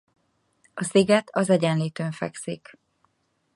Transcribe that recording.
A sziget az Egyenlítőn fekszik.